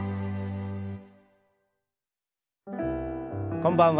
こんばんは。